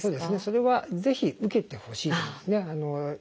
それはぜひ受けてほしいと思いますね。